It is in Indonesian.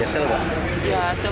ya sebetulnya sih bisa sel